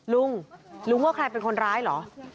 ลุงลุงว่าใครเป็นคนร้ายเหรอ